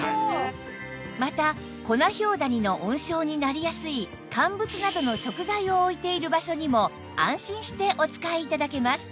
またコナヒョウダニの温床になりやすい乾物などの食材を置いている場所にも安心してお使い頂けます